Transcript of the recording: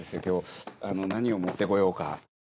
今日何を持ってこようか。